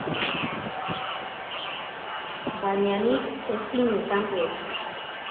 Baina nik ezin izan dut.